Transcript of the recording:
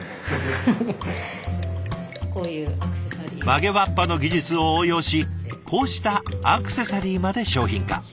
曲げわっぱの技術を応用しこうしたアクセサリーまで商品化。